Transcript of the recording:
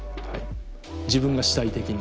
自分が主体的に。